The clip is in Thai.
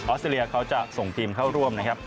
สเตรเลียเขาจะส่งทีมเข้าร่วมนะครับ